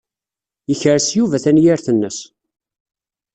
Yekres Yuba tanyirt-nnes.